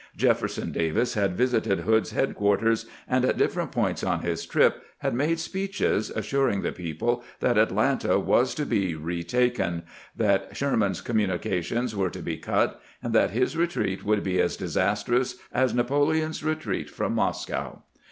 Jefferson Davis had visited Hood's headquarters, and at different points on his trip had made speeches, assuring the people that Atlanta was to be retaken, that Sherman's communications were to be cut, and that his retreat would be as disastrous as Napoleon's retreat from Mos cow.